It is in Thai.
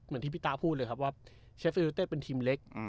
เหมือนที่พี่ต้าพูดเลยครับว่าเชฟเป็นทีมเล็กอืม